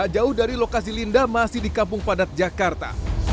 jauh dari lokasi linda masih di kampung padat jakarta